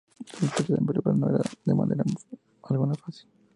La empresa, en verdad, no era en manera alguna fácil.